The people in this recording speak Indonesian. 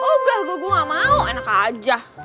oh gah gue gak mau enak aja